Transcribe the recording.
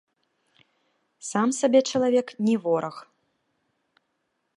Сам сабе чалавек не вораг!